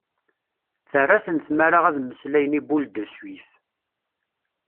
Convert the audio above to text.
Terra-ten tmara ad mmeslayen i Boule de Suif.